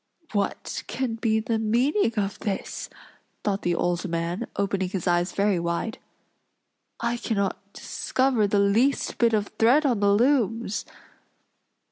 "What can be the meaning of this?" thought the old man, opening his eyes very wide. "I cannot discover the least bit of thread on the looms."